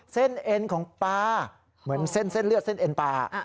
อ๋อเส้นเอ็นของปลาเหมือนเส้นเลือดเส้นเอ็นปลา